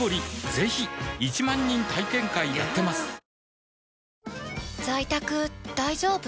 ぜひ１万人体験会やってますはぁ。